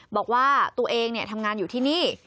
บอกว่าตัวเองทำงานอยู่ที่นี่